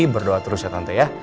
berdoa terus ya tante ya